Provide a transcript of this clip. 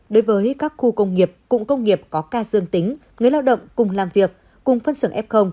đối với các khu công nghiệp cụng công nghiệp có ca dương tính người lao động cùng làm việc cùng phân xưởng f